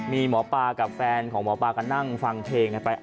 มีหมอปลากับแฟนของหมอปลาก็นั่งฟังเพลงกันไป